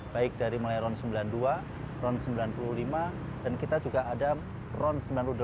baik dari mulai ron sembilan puluh dua ron sembilan puluh lima dan kita juga ada ron sembilan puluh delapan